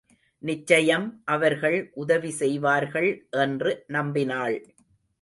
நிச்சயம் அவர்கள் உதவி செய்வார்கள் என்று, நம்பினாள்.